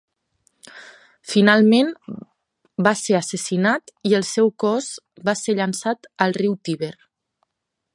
Finalment, va ser assassinat i el seu cos va ser llançat al riu Tíber.